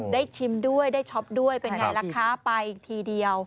ชิมด้วยได้ช็อปด้วยเป็นไงล่ะคะไปอีกทีเดียว